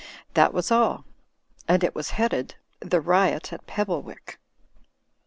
That was all; and it was headed "The Riot at Pebblewick."